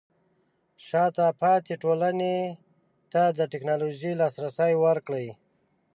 شاته پاتې ټولنې ته د ټیکنالوژۍ لاسرسی ورکړئ.